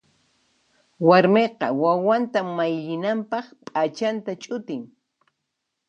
Warmiqa wawanta mayllinanpaq p'achanta ch'utin.